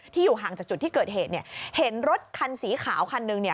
อยู่ห่างจากจุดที่เกิดเหตุเนี่ยเห็นรถคันสีขาวคันหนึ่งเนี่ย